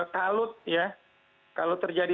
kalut ya kalau terjadi